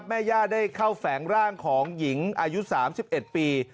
แม่ย่าได้เข้าแฝงร่างของหญิงอายุ๓๑ปี